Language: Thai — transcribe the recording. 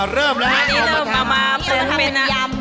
เริ่มแล้ว